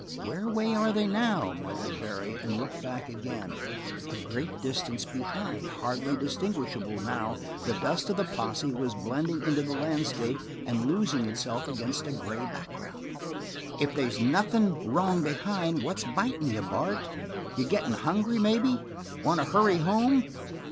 "Whereaway are they now?" muttered Barry, and looked back again. A great distance behind, hardly distinguishable now, the dust of the posse was blending into the landscape and losing itself against a gray background. "If they's nothin' wrong behind, what's bitin' you, Bart. You gettin' hungry, maybe? Want to hurry home?"